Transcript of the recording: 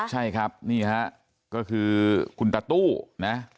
ใช่ครับนี่ฮะก็คือคุณตาตู้นะ